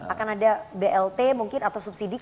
akan ada blt mungkin atau subsidi